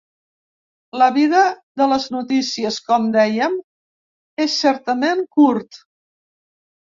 La vida de les notícies, com dèiem, és certament curt.